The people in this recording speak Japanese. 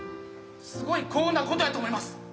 すごい幸運なことやと思います。